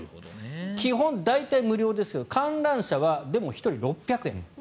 基本、大体無料ですが観覧車はでも１人６００円。